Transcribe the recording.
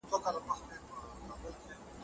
د کارګرانو مسلکي وړتياوي د لوړيدو په حال کي دي.